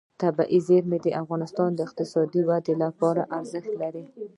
طبیعي زیرمې د افغانستان د اقتصادي ودې لپاره ارزښت لري.